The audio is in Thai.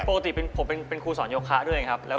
ปกติผมเป็นครูสอนโยคะด้วยครับ